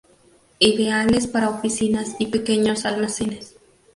Ideales para oficinas y pequeños almacenes.